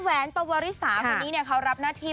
แวนปวริสาคนนี้เขารับหน้าที่